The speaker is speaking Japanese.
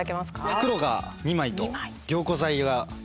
袋が２枚と凝固剤があります。